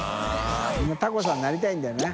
發タコさんになりたいんだよね。